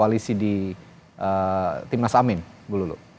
bagaimana dari partai kebagian tanpa bangsa dan juga beberapa para pemilu